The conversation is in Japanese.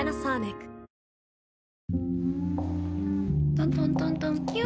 トントントントンキュ。